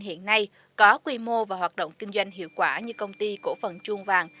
hiện nay có quy mô và hoạt động kinh doanh hiệu quả như công ty cổ phần chuông vàng